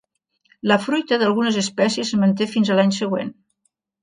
La fruita d'algunes espècies es manté fins a l'any següent.